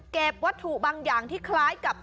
วัตถุบางอย่างที่คล้ายกับ